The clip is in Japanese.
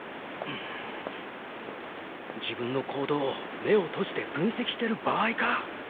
自分の行動を目を閉じて分析してる場合か？